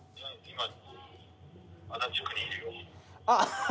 ああ。